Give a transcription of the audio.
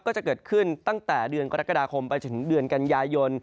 ก็จะเกิดขึ้นตั้งแต่เดือนกรกฎาคมไปจนถึงเดือนกันยายน